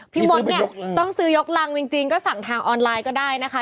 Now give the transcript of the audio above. มดเนี่ยต้องซื้อยกรังจริงก็สั่งทางออนไลน์ก็ได้นะคะ